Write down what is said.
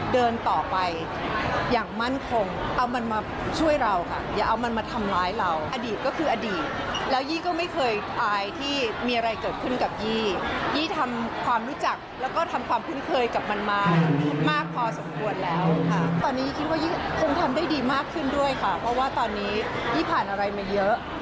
ดีมากขึ้นด้วยค่ะเพราะว่าตอนนี้ยี่ผ่านอะไรมาเยอะ